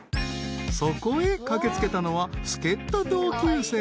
［そこへ駆け付けたのは助っ人同級生たち］